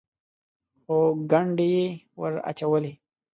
خو ګنډې یې ور اچولې.